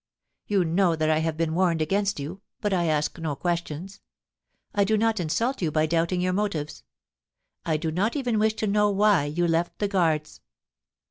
You know that I have been warned against you, but I ask no questions. I do not in sult you by doubting your motives. I do not even wish to know why you left the Guards.'